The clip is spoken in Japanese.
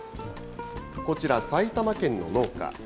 こちら、埼玉県の農家。